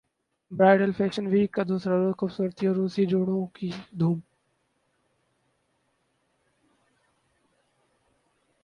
bridal fashion week کا دوسرا روز خوبصورت عروسی جوڑوں کی دھوم